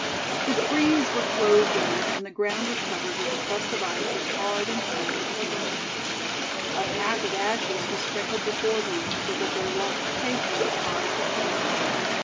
The trees were clothed in it, and the ground was covered with a crust of ice as hard and shining as marble. A path of ashes was sprinkled before them, so that they walked safely as far as the station.